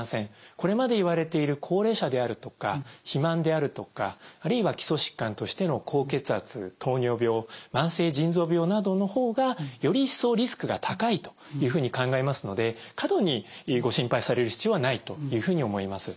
これまでいわれている高齢者であるとか肥満であるとかあるいは基礎疾患としての高血圧糖尿病慢性腎臓病などの方がより一層リスクが高いというふうに考えますので過度にご心配される必要はないというふうに思います。